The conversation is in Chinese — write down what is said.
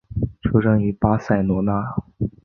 出生于巴塞罗那。